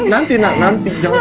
nanti nanti jangan serangi anak ya